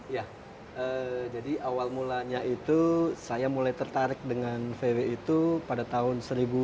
ya jadi awal mulanya itu saya mulai tertarik dengan vw itu pada tahun seribu sembilan ratus delapan puluh